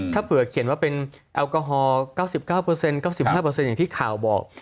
ถ้าเผื่อเขียนว่าเป็นแอลกอฮอล๙๙๙๙๕อย่างที่ข่าวบอก